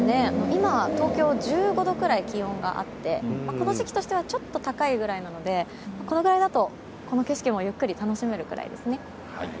今、東京は１５度くらい気温があってこの時期としては、ちょっと高いぐらいなのでこのぐらいだとこの景色もゆっくり楽しめるくらいですね。